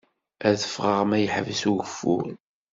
Ad ffɣeɣ ma yeḥbes ugeffur.